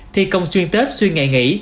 thi công xuyên tết xuyên ngày nghỉ